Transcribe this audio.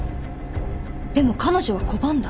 でも彼女は拒んだ。